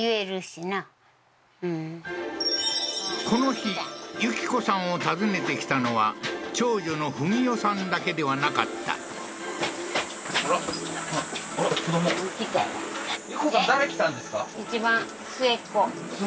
うんこの日順子さんを訪ねて来たのは長女の富美代さんだけではなかった順子さん誰来たんですか？